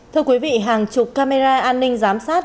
thưa quý vị hàng chục camera an ninh giám sát